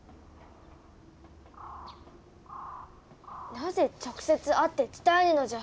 なぜ直接会って伝えぬのじゃ？